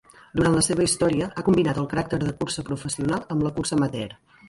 Durant la seva història ha combinat el caràcter de cursa professional amb la cursa amateur.